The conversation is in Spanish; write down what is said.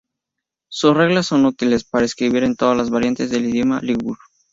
Sus reglas son útiles para escribir en todas las variantes del idioma ligur.